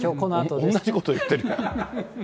同じこと言ってる。